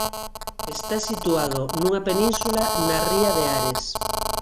Está situado nunha península na ría de Ares.